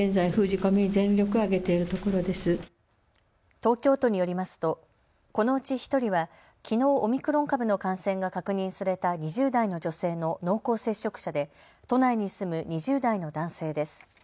東京都によりますとこのうち１人はきのうオミクロン株の感染が確認された２０代の女性の濃厚接触者で都内に住む２０代の男性です。